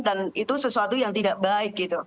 dan itu sesuatu yang tidak baik